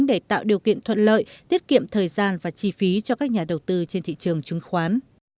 để tạo điều kiện thuận lợi tiết kiệm thời gian và chi phí cho các nhà đầu tư trên thị trường chứng khoán